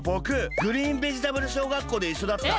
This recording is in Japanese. グリーンベジタブル小学校でいっしょだった。